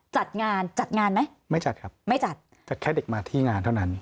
จัดงานจัดงานไหมไม่จัดครับไม่จัดแต่แค่เด็กมาที่งานเท่านั้น